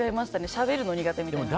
しゃべるの苦手みたいな。